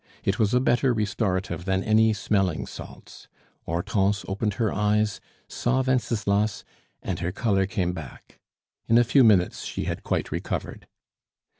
It was a better restorative than any smelling salts. Hortense opened her eyes, saw Wenceslas, and her color came back. In a few minutes she had quite recovered.